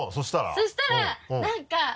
そしたらなんか。